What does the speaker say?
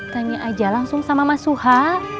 tanya aja langsung sama mas suha